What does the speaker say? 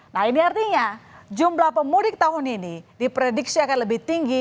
nah ini artinya jumlah pemudik tahun ini diprediksi akan lebih tinggi